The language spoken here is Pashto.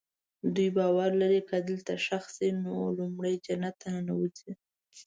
دوی باور لري که دلته ښخ شي نو لومړی جنت ته ننوځي.